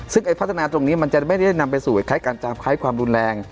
ซึ่งไอ้พัฒนาตรงนี้มันจะไม่ได้นำไปสู่การจามคล้ายความรุนแรง